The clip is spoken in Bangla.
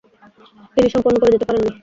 তিনি সম্পন্ন করে যেতে পারেন নি।